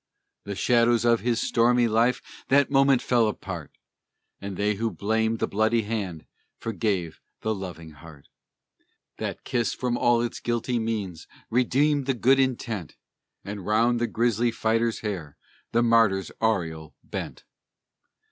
The shadows of his stormy life that moment fell apart; And they who blamed the bloody hand forgave the loving heart. That kiss from all its guilty means redeemed the good intent, And round the grisly fighter's hair the martyr's aureole bent!